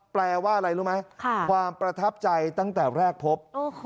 แปลว่าอะไรรู้ไหมความประทับใจตั้งแต่แรกพบ